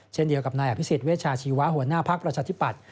เช่นเดียวกับนายอภิษฎเวชาชีวะหัวหน้าภักดิ์ประชาธิปัตย